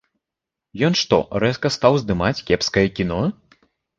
Ён што, рэзка стаў здымаць кепскае кіно?